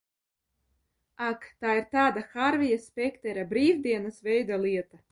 Ak, tā ir tāda Hārvija Spektera brīvdienas veida lieta?